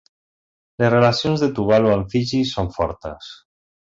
Les relacions de Tuvalu amb Fiji són fortes.